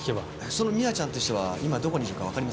その美亜ちゃんって人は今どこにいるかわかりますか？